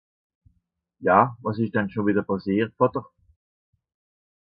Ja, wàs ìsch denn schùn wìdder pàssiert, Vàter ?